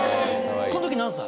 この時何歳？